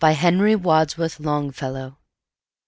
Henry Wadsworth Longfellow 778.